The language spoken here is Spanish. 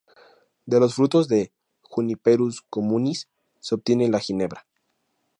De los frutos de "Juniperus communis" se obtiene la ginebra.